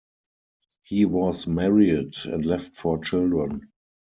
He was married and left four children.